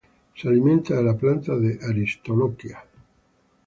Se alimenta de la planta de "Aristolochia".